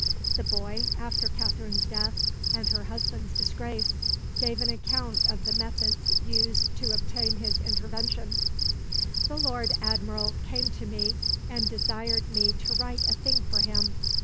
The boy, after Katherine's death and her husband's disgrace, gave an account of the methods used to obtain his intervention: "The Lord Admiral came to me ... and desired me to write a thing for him.